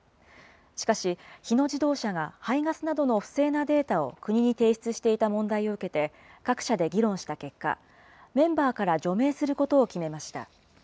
しかし、日野自動車が排ガスなどの不正なデータを国に提出していた問題を受けて、各社で議論した結果、メンバーから除名することを決めました。